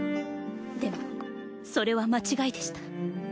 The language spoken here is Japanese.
でもそれは間違いでした。